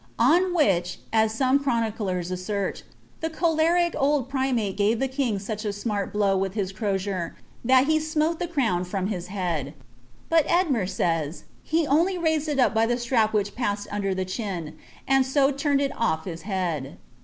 On which, aa some chtoniden asaerl, the choleric old primate gave the king such a aniart blow with his crosier, that be smote the crowa from his head \' bni Eadmer aay*, he only mised it up by the strap which passed under the chin, and lO turned it olf his bead.